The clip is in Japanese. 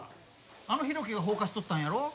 あの浩喜が放火しとったんやろ？